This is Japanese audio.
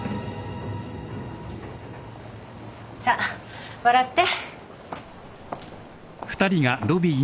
・さあ笑って。